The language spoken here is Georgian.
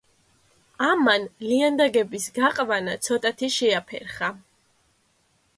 ამან ლიანდაგების გაყვანა ცოტათი შეაფერხა.